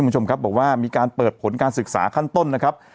คุณผู้ชมครับบอกว่ามีการเปิดผลการศึกษาขั้นต้นนะครับ